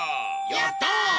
やった！